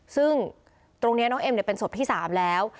ซึ่งตรงเนี้ยน้องเอ็มเนี่ยเป็นศพที่สามแล้ว